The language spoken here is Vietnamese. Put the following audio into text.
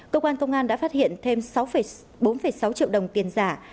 cơ quan công an đã phát hiện thêm sáu bốn sáu triệu đồng tiền giả